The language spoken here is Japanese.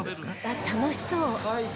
楽しそう。